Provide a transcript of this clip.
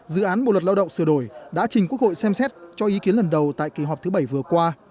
dự án bộ luật lao động sửa đổi đã trình quốc hội xem xét cho ý kiến lần đầu tại kỳ họp thứ bảy vừa qua